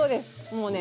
もうね